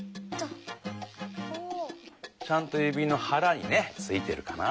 ちゃんとゆびのはらにねついてるかな。